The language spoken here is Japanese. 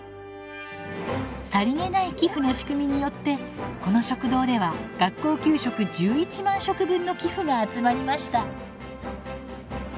さりげない寄付の仕組みによってこの食堂では学校給食１１万食分の寄付が集まりました。